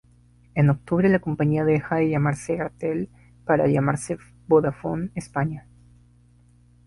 En octubre la compañía deja de llamarse Airtel para llamarse Vodafone España.